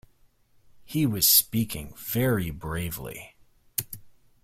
He was speaking very bravely.